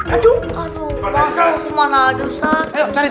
aduh masa hukuman ada ustadz